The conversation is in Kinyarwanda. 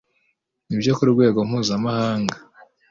n ibyo ku rwego mpuzamahanga